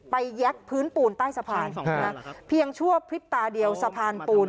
แยกพื้นปูนใต้สะพานเพียงชั่วพริบตาเดียวสะพานปูน